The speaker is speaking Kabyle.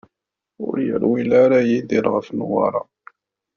Ur yerwil ara Yidir ɣef Newwara.